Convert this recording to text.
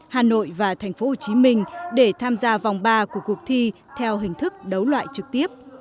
hà nội và thành phố hồ chí minh để tham gia vòng ba của cuộc thi theo hình thức đấu loại trực tiếp